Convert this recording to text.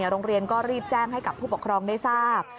โรงเรียนก็รีบแจ้งให้กับผู้ปกครองได้ทราบ